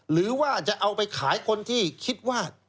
หรือว่าจะเอาไปขายคนที่คิดว่า